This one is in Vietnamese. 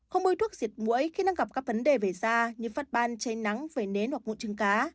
không bôi thuốc diệt mũi khi đang gặp các vấn đề về da như phát ban cháy nắng vẩy nến hoặc bụi trứng cá